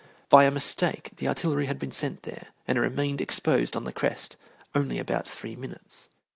By a mistake, the artillery had been sent there, and it remained exposed on the crest only about three minutes.